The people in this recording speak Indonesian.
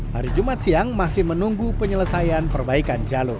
hari jumat siang masih menunggu penyelesaian perbaikan jalur